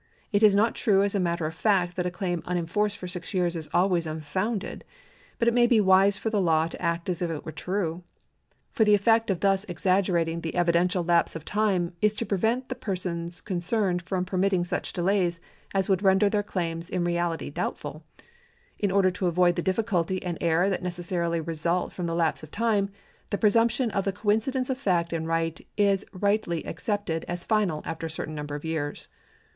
It is not true as a matter of fact that a claim unenforced for six years is always unfounded, but it may be wise for the law to act as if it were true. For the effect of thus exaggerating the evi dential value of lapse of time is to prevent the jx^rsons con cerned from permitting such delays as would render their claims in reality doubtful. In order to avoid the difficult}' and error that necessarily result from the lapse of time, the presumption of the coincidence of fact and right is rightly accepted as final after a certain number of years.